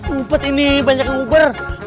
ngopet ini banyak yang huber